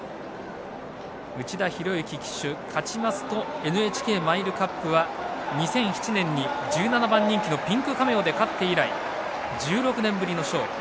内田博幸騎手、勝ちますとＮＨＫマイルカップは２００７年に１７番人気のピンクカメオで勝って以来１６年ぶりの勝利。